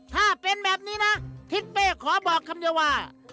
ถ้าเป็นแบบนี้นะทิศเป้ขอบอกคำเดียวว่า